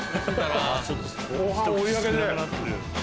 後半追い上げで。